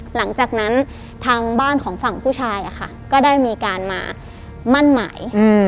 หลังจากนั้นทางบ้านของฝั่งผู้ชายก็ได้มีการมามั่นหมาย